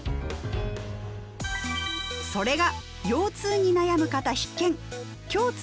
それが腰痛に悩む方必見！